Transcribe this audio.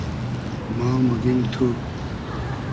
ما موگیم تو